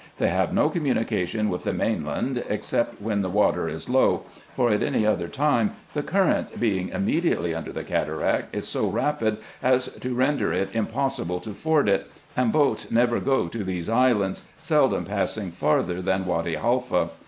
They have no communication with the main land, except when the water is low, for at any other time the current, being immediately under the cataract, is so rapid, as to render it impossible to ford it ; and boats never go to these islands, seldom passing farther than Wady Haifa.